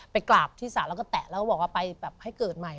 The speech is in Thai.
ไปกราบที่สระแล้วก็แตะแล้วก็บอกว่าไปแบบให้เกิดใหม่